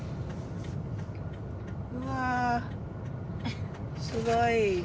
うわすごい。